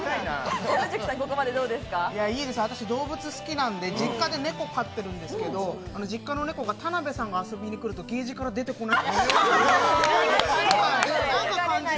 私、動物好きなんで、実家で猫飼ってるんですけど、実家の猫が田辺さんが遊びに来るとケージから出てこない。